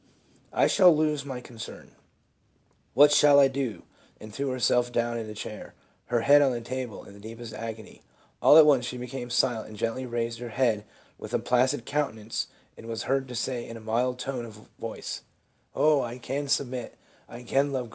I shall lose my concern. What shall I do?' and threw herself down in a chair, her head on the table in the deepest agony. All at once she became silent, and gently raised her head with a placid countenance, and was heard to say in a mild tone of voice, ' O, I can submit, I can love Christ.